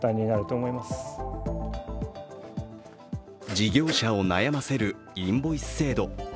事業者を悩ませるインボイス制度。